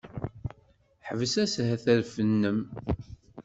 Ḥbes ashetref-nnem!